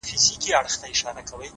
صبر د بریا پخېدل ګړندي کوي’